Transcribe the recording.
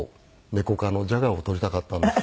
ネコ科のジャガーを撮りたかったんです。